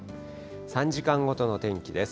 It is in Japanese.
３時間ごとの天気です。